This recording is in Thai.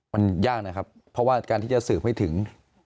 มันยากนะครับเพราะว่าการที่จะสืบให้ถึง